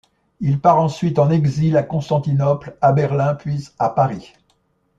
Il part ensuite en exil à Constantinople, à Berlin, puis à Paris.